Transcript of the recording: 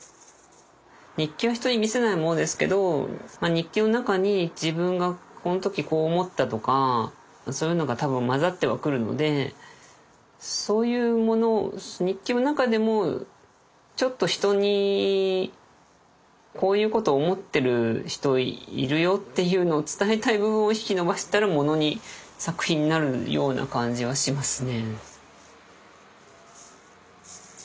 日記は人に見せないものですけど日記の中に「自分がこの時こう思った」とかそういうのが多分混ざってはくるのでそういうものを日記の中でもちょっと人に「こういうことを思ってる人いるよ」っていうのを伝えたい部分を引き伸ばしたらものに作品になるような感じはしますね。